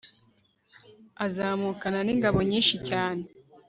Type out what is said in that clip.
azamukana n'ingabo nyinshi cyane